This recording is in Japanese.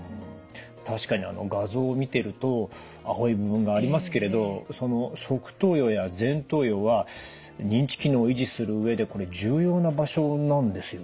確かに画像を見ていると青い部分がありますけれどその側頭葉や前頭葉は認知機能を維持する上でこれ重要な場所なんですよね？